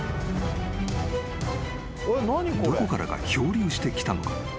［どこからか漂流してきたのか？